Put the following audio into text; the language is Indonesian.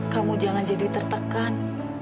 kamu jangan jadi tertekan